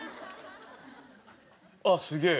あっすげえ！